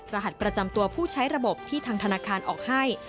รหัสประจำตัวผู้ใช้ระบบที่ทางธนาคารออกให้